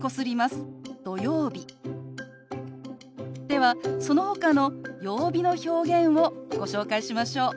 ではそのほかの曜日の表現をご紹介しましょう。